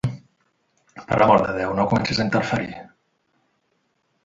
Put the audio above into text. Per l'amor de Déu, no comencis a interferir.